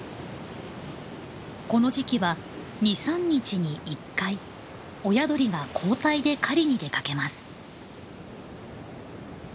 この時期は２３日に１回親鳥が交代で狩りに出かけます。